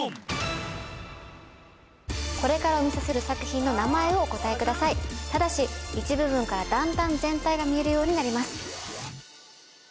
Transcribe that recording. これからお見せする作品の名前をお答えくださいただし一部分から段々全体が見えるようになります